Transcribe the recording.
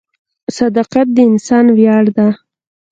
• صداقت د انسان ویاړ دی.